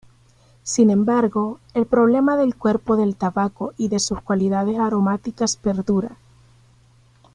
Sin embargo, el problema del cuerpo del tabaco y de sus cualidades aromáticas perdura.